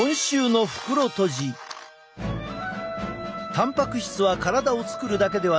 たんぱく質は体を作るだけではない。